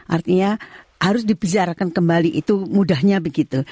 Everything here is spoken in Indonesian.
artinya harus dibesarkan kembali itu mudahnya begitu